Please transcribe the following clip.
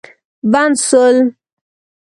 بند سول.